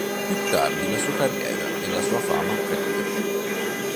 Più tardi la sua carriera e la sua fama crebbero.